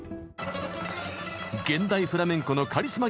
現代フラメンコのカリスマギタリスト。